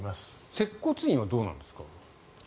接骨院はどうなんですか？